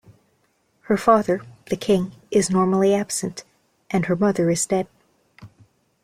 Her father, the king, is normally absent, and her mother is dead.